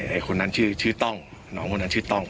ไอ้คนนั้นชื่อต้องน้องคนนั้นชื่อต้อง